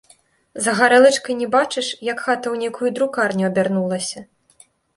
За гарэлачкай не бачыш, як хата ў нейкую друкарню абярнулася.